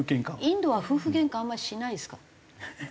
インドは夫婦げんかあんまりしないですか？